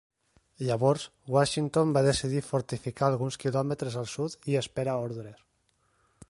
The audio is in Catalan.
Llavors, Washington va decidir fortificar alguns quilòmetres al sud i esperar ordres.